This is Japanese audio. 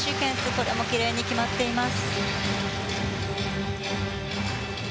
これもきれいに決まっています。